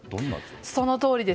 そのとおりです。